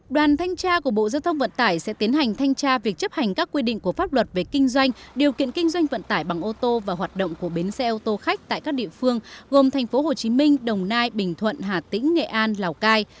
đoàn thanh tra của bộ giao thông vận tải sẽ tiến hành thanh tra việc chấp hành các quy định của pháp luật về kinh doanh điều kiện kinh doanh vận tải bằng ô tô và hoạt động của bến xe ô tô khách tại các địa phương gồm tp hcm đồng nai bình thuận hà tĩnh nghệ an lào cai